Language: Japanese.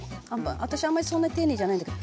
私あんまりそんなに丁寧じゃないんだけど。